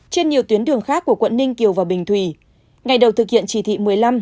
trên nhiều tuyến đường khác của quận ninh kiều và bình thủy ngày đầu thực hiện chỉ thị một mươi năm